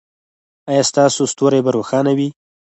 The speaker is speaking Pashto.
ایا ستاسو ستوری به روښانه وي؟